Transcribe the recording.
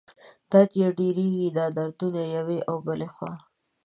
درد یې ډېرېږي، دا درد یوې او بلې خوا